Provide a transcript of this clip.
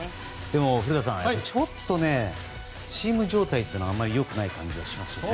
でも古田さん、ちょっとねチーム状態っていうのがあまり良くない感じがしますね。